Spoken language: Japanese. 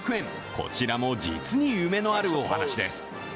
こちらも実に夢のあるお話です。